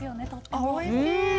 あおいしい。